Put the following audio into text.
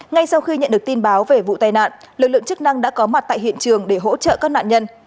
ngay sau khi nhận được tin báo về vụ tai nạn lực lượng chức năng đã có mặt tại hiện trường để hỗ trợ các nạn nhân